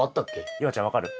夕空ちゃん分かる？